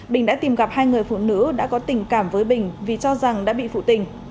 bình đã tìm gặp hai người phụ nữ đã có tình cảm với bình vì cho rằng đã bị phụ tình